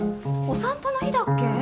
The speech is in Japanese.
お散歩の日だっけ？